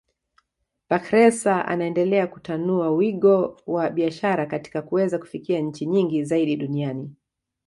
Bakhresa anaendelea kutanua wigo wa biashara katika kuweza kufikia nchi nyingi zaidi duniani